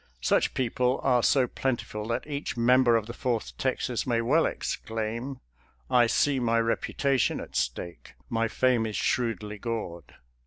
Such people are so plentiful that each member of the Fourth Texas may well exclaim :" I see my reputation at stake ; My fame Is shrewdly gor'd."